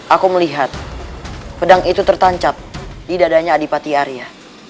aku melihat pedang itu tertancap di dadanya adipati arya